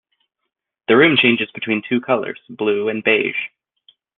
The room changes between two colors, blue and beige.